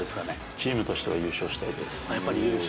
チームとしては優勝したいでやっぱり優勝。